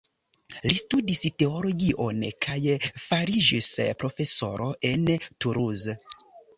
Li studis teologion kaj fariĝis profesoro en Toulouse.